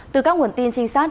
từ các nguồn tin trinh sát